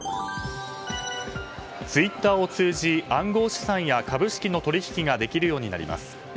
ツイッターを通じ、暗号資産や株式の取引ができるようになります。